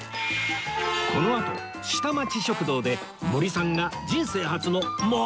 このあと下町食堂で森さんが人生初のもつ煮込み